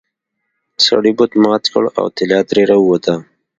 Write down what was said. سړي بت مات کړ او طلا ترې راووته.